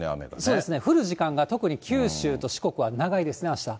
そうですね、降る時間が特に九州と四国は長いですね、あした。